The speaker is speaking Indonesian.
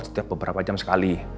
setiap beberapa jam sekali